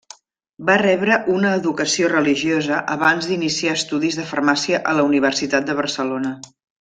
Va rebre una educació religiosa abans d'iniciar estudis de farmàcia a la Universitat de Barcelona.